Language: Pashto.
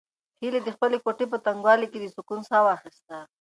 هیلې د خپلې کوټې په تنګوالي کې د سکون ساه واخیسته.